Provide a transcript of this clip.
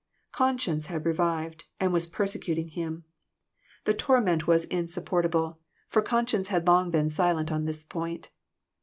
Conscience had revived, and was persecuting him. The torment was insup 332 FANATICISM. portable, for conscience had long been silent on this point.